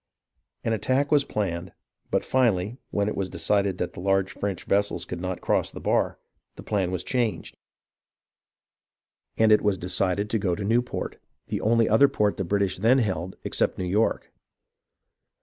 An attack was planned, but finally, when it was decided that the large French vessels could not cross the bar, the plan was changed, and 246 HISTORY OF THE AMERICAN REVOLUTION it was decided to go to Newport, the only other port the British then held except New York.